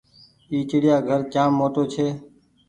اي چڙيآ گهر جآم موٽو ڇي۔